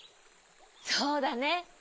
そうだね。